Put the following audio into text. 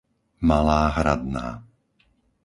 Malá Hradná